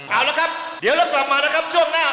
เอาละครับเดี๋ยวเรากลับมานะครับช่วงหน้า